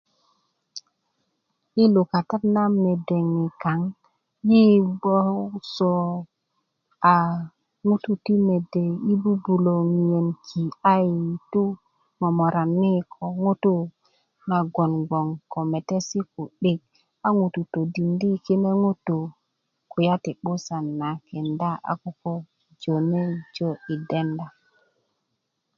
i lukata na mede nikaŋ yi gboŋ gboso a ŋutu ti mede yi 'bubulö ŋiyen ki a yi momorani ko ŋutú na gboŋ ko metesi ku'dik a ŋutú todindi kine ŋutú kulyá ti 'busan na kenda a koko jonejo i denda